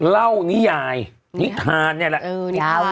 นิยายนิทานเนี่ยแหละ